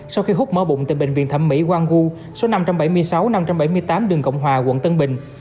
sau khi hút mở bụng tại bệnh viện thẩm mỹ gwangwoo số năm trăm bảy mươi sáu năm trăm bảy mươi tám đường cộng hòa quận tân bình